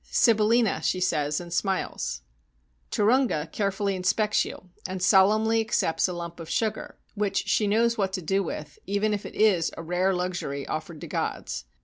"Sibihna," she says, and smiles. 191 RUSSIA Turunga carefully inspects you, and solemnly accepts a lump of sugar, which she knows what to do with, even if it is a rare luxury offered to gods.